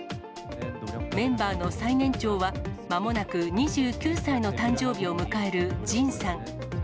メンバーの最年長は、まもなく２９歳の誕生日を迎えるＪＩＮさん。